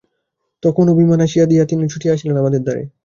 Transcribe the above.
তখন অভিমান ভাসাইয়া দিয়া তিনি ছুটিয়া আসিলেন আমাদের দ্বারে।